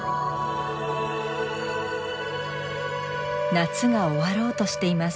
夏が終わろうとしています。